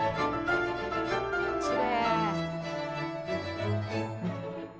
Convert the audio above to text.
きれい。